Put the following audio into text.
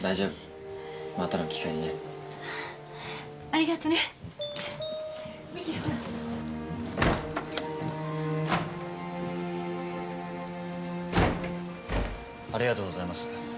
ありがとうございます。